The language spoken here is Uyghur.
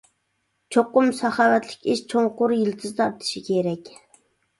چوقۇم ساخاۋەتلىك ئىش چوڭقۇر يىلتىز تارتىشى كېرەك.